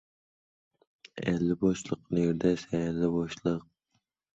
Ertaga qanday ob-havo kutilmoqda?